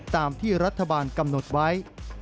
ตามที่รัฐบาลกำหนดไว้